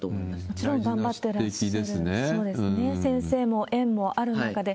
もちろん、頑張ってらっしゃる先生も園もある中で。